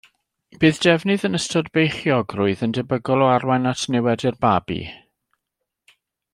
Bydd defnydd yn ystod beichiogrwydd yn debygol o arwain at niwed i'r babi.